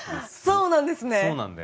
そうなんだよね。